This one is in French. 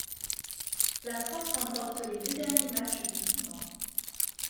La France remporte les deux derniers matchs du Tournoi.